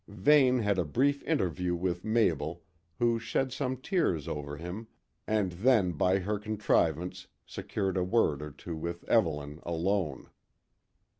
Vane had a brief interview with Mabel, who shed some tears over him, and then by her contrivance secured a word or two with Evelyn alone.